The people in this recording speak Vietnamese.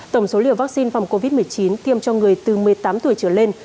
tổng số liều vaccine phòng covid một mươi chín tiêm cho người từ một mươi tám tuổi trở lên